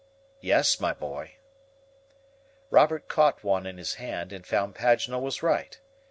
"Yes, my boy." Robert caught one in his hand, and found Paganel was right.